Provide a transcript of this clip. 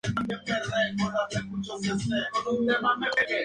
Me alegra ver que algunos sobrevivieron para reproducirse".